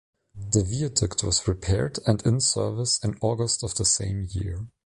The viaduct was repaired and in service in August of the same year.